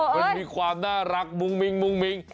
มันมีความน่ารักมุ่งมิ่ง